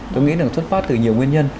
tôi nghĩ là xuất phát từ nhiều nguyên nhân